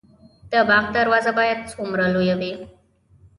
د باغ دروازه باید څومره لویه وي؟